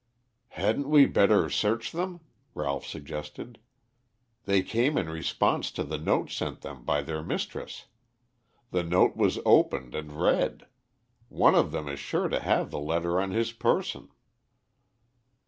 "Hadn't we better search them?" Ralph suggested. "They came in response to the note sent them by their mistress. The note was opened and read. One of them is sure to have the letter on his person."